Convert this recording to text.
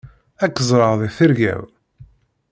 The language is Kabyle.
Ad k-ẓreɣ deg tirga-w.